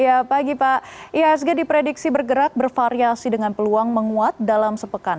ya pagi pak ihsg diprediksi bergerak bervariasi dengan peluang menguat dalam sepekan